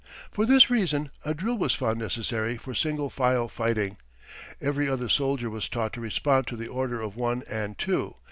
For this reason, a drill was found necessary for single file fighting. Every other soldier was taught to respond to the order of one and two.